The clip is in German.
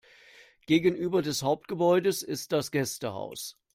Gegenüber des Hauptgebäudes ist das Gästehaus.